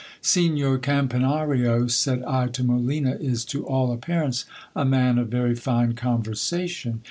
Signor Campanario, said I to Molina, is to all appearance a man of very fine conversation.